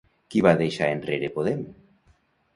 Qui va deixar enrere Podem?